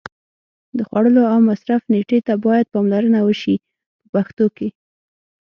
د خوړلو او مصرف نېټې ته باید پاملرنه وشي په پښتو کې.